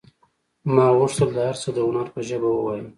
ما غوښتل دا هر څه د هنر په ژبه ووایم